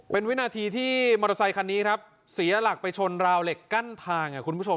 เป็นวินาทีที่มอเตอร์ไซคันนี้ครับเสียหลักไปชนราวเหล็กกั้นทางคุณผู้ชม